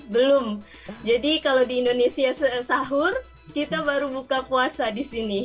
belum jadi kalau di indonesia sahur kita baru buka puasa di sini